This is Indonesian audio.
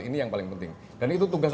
ini yang paling penting dan itu tugas